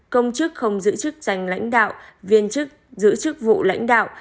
công chức không giữ chức danh lãnh đạo viên chức giữ chức vụ lãnh đạo